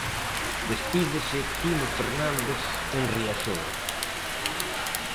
Despídese Tino Fernández en Riazor.